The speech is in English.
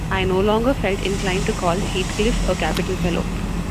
I no longer felt inclined to call Heathcliff a capital fellow.